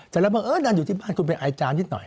แต่เราครับเออนานอยู่ที่บ้านคุณเป็นไอจามนิดหน่อย